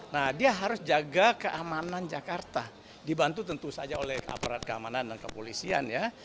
nah dia harus jaga keamanan jakarta dibantu tentu saja oleh aparat keamanan dan kepolisian ya